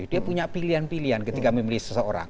dia punya pilihan pilihan ketika memilih seseorang